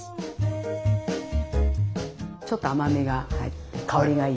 ちょっと甘みが入って香りがいい。